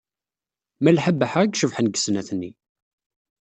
Malḥa Baḥa i icebḥen deg snat-nni.